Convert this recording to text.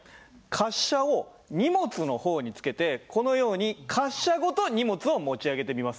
滑車を荷物の方に付けてこのように滑車ごと荷物を持ち上げてみます。